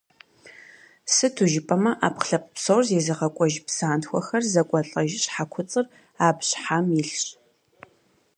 Сыту жыпӏэмэ, ӏэпкълъэпкъ псор зезыгъэкӏуэж, псантхуэхэр зэкӏуэлӏэж щхьэкуцӏыр аб щхьэм илъщ.